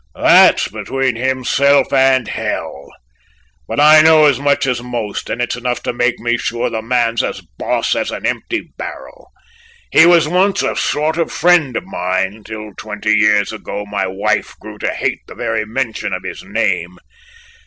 "That's between himself and Hell, but I know as much as most, and it's enough to make me sure the man's as boss as an empty barrel. He was once a sort of friend of mine, till twenty years ago my wife grew to hate the very mention of his name.